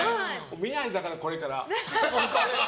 見ないんだから、これから。